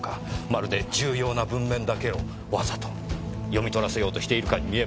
まるで重要な文面だけをわざと読み取らせようとしているかに見えます。